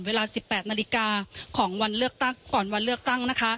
เวลา๑๘นาฬิกาของวันเลือกตั้งก่อนวันเลือกตั้งนะคะ